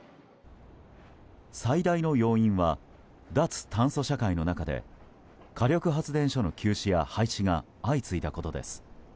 最大の要因は脱炭素社会の中で火力発電所の休止や廃止が相次いだことです。